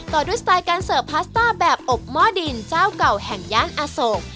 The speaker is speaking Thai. ต่อด้วยสไตล์การเสิร์ฟพาสต้าแบบอบหม้อดินเจ้าเก่าแห่งย่านอโศก